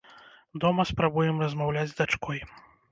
Дома спрабуем размаўляць з дачкой.